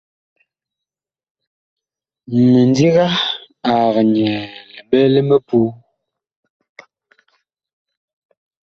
Mindiga ag nyɛɛ liɓɛ li mipuu.